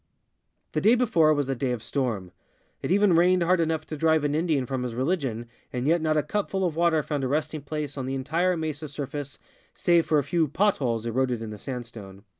(PI. 34.) The day before was a day of storm ; it even rained hard enough to drive an Indian from his religion, and yet not a cup ful of water found a resting place on the entire mesa surface save in a few " potholes " eroded in the sandstone.